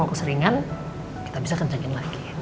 kalau keseringan kita bisa kerjain lagi